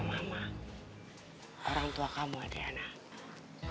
mama orang tua kamu ada anak aku ngantuk